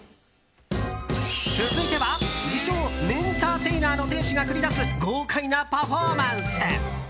続いては、自称麺ターテイナーの店主が繰り出す豪快なパフォーマンス。